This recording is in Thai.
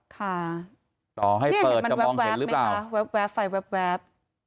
ค่ะต่อให้เปิดจะมองเห็นหรือเปล่าแวบแวบแวบไฟแวบแวบ